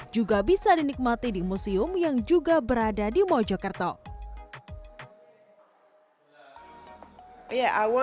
juga bisa dinikmati di museum yang juga berada di mojokerto